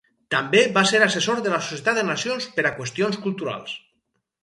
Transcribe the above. També va ser assessor de la Societat de Nacions per a qüestions culturals.